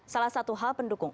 salah satu hal pendukung